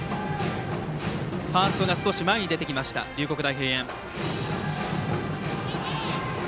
ファーストが少し前に出てきた龍谷大平安。